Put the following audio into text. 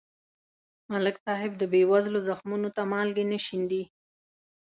ملک صاحب د بېوزلو زخمونو ته مالګې نه شیندي.